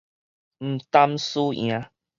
毋擔輸贏